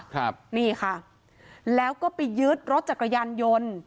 ครับนี่ค่ะแล้วก็ไปยึดรถจักรยานยนต์